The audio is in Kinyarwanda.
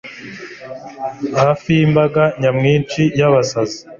Hafi yimbaga nyamwinshi yabasazi,